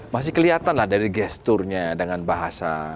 masih kelihatan lah dari gesturnya dengan bahasa